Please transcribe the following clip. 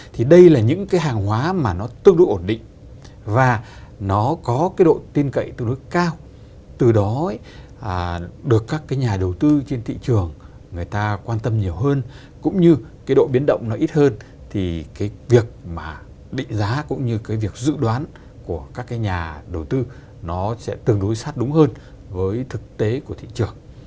thì đây là những cái hàng hóa mà nó tương đối ổn định và nó có cái độ tin cậy tương đối cao từ đó được các cái nhà đầu tư trên thị trường người ta quan tâm nhiều hơn cũng như cái độ biến động nó ít hơn thì cái việc mà định giá cũng như cái việc dự đoán của các cái nhà đầu tư nó sẽ tương đối sát đúng hơn với thực tế của thị trường